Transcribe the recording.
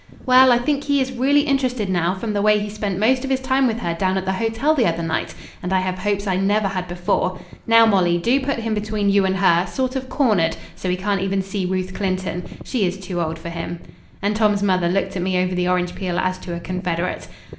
"Well, I think he is really interested now from the way he spent most of his time with her down at the hotel the other night, and I have hopes I never had before. Now, Molly, do put him between you and her, sort of cornered, so he can't even see Ruth Clinton. She is too old for him." And Tom's mother looked at me over the orange peel as to a confederate.